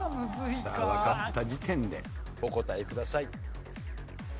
さあわかった時点でお答えください。